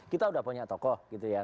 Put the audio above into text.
kita sudah punya tokoh gitu ya